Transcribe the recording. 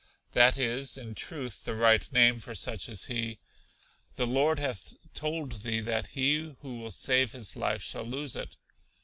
That is, in truth, the right name for such as he. The Lord hath told thee that he who will save his life shall lose it.'